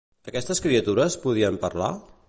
Aquestes criatures podien parlar?